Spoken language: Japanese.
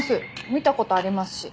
見たことありますし。